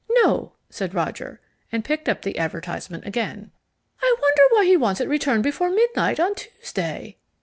"No," said Roger, and picked up the advertisement again. "I wonder why he wants it returned before midnight on Tuesday?"